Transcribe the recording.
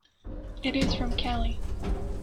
It is from Cali.